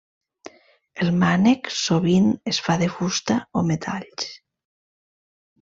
El mànec sovint es fa de fusta o metalls.